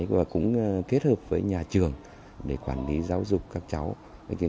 và cũng kết hợp với nhà trường để quản lý giáo dục các cháu